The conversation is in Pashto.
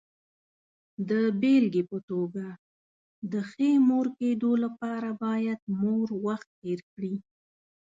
د بېلګې په توګه، د ښې مور کېدو لپاره باید مور وخت تېر کړي.